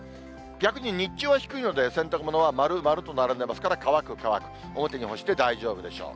逆に日中は低いので、洗濯物は丸、丸と並んでますから、乾く、乾く、表に干して大丈夫でしょう。